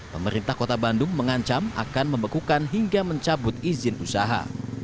pemerintah kota bandung mengancam akan membekukan hingga mencabut izin usaha